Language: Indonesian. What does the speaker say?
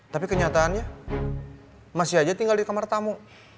tapi kenyataannya masih aja tinggal di kamar tamu